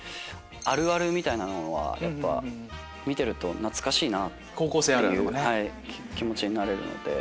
「あるある」みたいなのは見てると懐かしい気持ちになれるので。